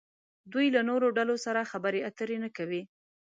دوی له نورو ډلو سره خبرې اترې نه کوي.